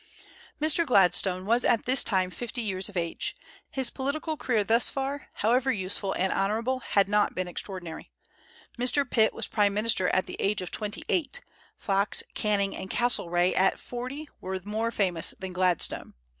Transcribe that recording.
Mr. Gladstone was at this time fifty years of age. His political career thus far, however useful and honorable, had not been extraordinary. Mr. Pitt was prime minister at the age of twenty eight. Fox, Canning, and Castlereagh at forty were more famous than Gladstone.